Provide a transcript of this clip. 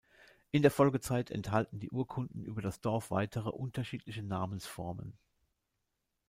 In der Folgezeit enthalten die Urkunden über das Dorf weitere, unterschiedliche Namensformen.